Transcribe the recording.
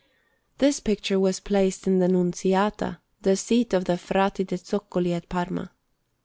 This picture was placed in the Nunziata, the seat of the Frati de' Zoccoli at Parma.